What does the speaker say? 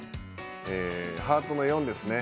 ハートの４ですね。